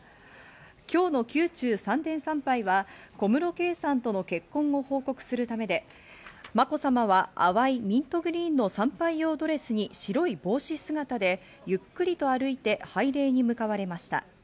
今日の宮中三殿参拝は小室圭さんとの結婚を報告するためで、まこさまは淡いミントグリーンの参拝用ドレスに白い帽子姿でゆっくりと歩いて拝礼に向かわれました。